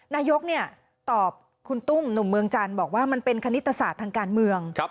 นายกตอบคุณตุ้มหนุ่มเมืองจันทร์บอกว่ามันเป็นคณิตศาสตร์ทางการเมือง